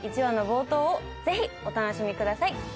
１話の冒頭をぜひお楽しみください。